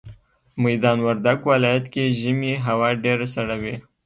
ميدان وردګ ولايت کي ژمي هوا ډيره سړه وي